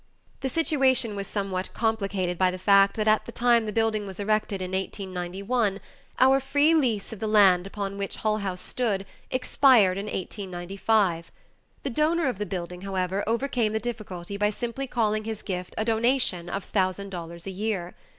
The situation was somewhat complicated by the fact that at the time the building was erected in 1891, our free lease of the land upon which Hull House stood expired in 1895. The donor of the building, however, overcame the difficulty by simply calling his gift a donation of a thousand dollars a year.